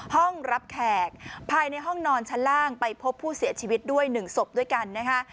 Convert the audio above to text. ห้องรับแขกภายในห้องนอนชั้นล่างไปพบผู้เสียชีวิตด้วย๑ศพด้วยกันนะคะ